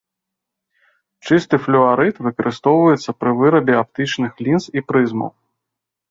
Чысты флюарыт выкарыстоўваецца пры вырабе аптычных лінз і прызмаў.